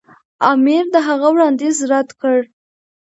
امیر د هغه وړاندیز رد کړ.